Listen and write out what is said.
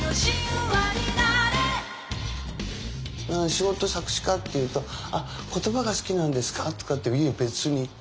「仕事作詞家」って言うと「あっ言葉が好きなんですか？」とかって「いえ別に」っていう。